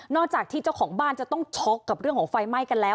จากที่เจ้าของบ้านจะต้องช็อกกับเรื่องของไฟไหม้กันแล้ว